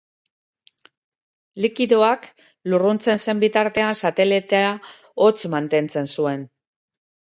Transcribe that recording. Likidoak, lurruntzen zen bitartean satelitea hotz mantentzen zuen.